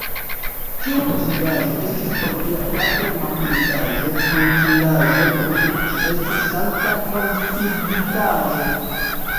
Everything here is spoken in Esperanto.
Tiu posedaĵo estis por lia patro makulitaĵo, hontindaĵo; por li ĝi estis sankta konfiditaĵo.